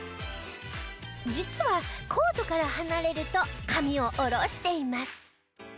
実はコートから離れると髪を下ろしています。